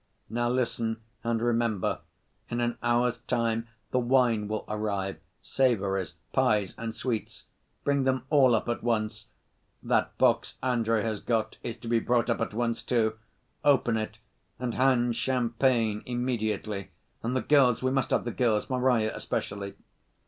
"Now, listen and remember. In an hour's time the wine will arrive, savories, pies, and sweets—bring them all up at once. That box Andrey has got is to be brought up at once, too. Open it, and hand champagne immediately. And the girls, we must have the girls, Marya especially."